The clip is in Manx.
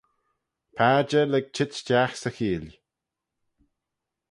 Padjer lurg çheet stiagh 'sy cheeill.